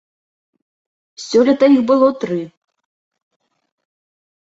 Сёлета іх было тры.